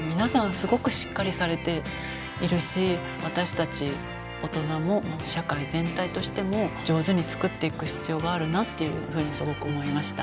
すごくしっかりされているし私たち大人も社会全体としても上手につくっていく必要があるなっていうふうにすごく思いました。